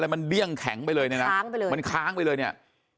มันเดี้ยงแข็งไปเลยเนี่ยนะมันค้างไปเลยเนี่ย